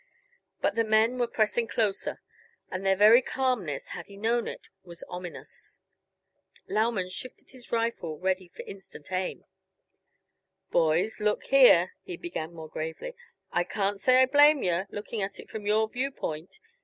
But the men were pressing closer, and their very calmness, had he known it, was ominous. Lauman shifted his rifle ready for instant aim. "Boys, look here," he began more gravely, "I can't say I blame yuh, looking at it from your view point.